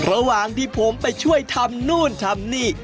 ระหว่างที่ผมไปช่วยทำนู่นทำนี่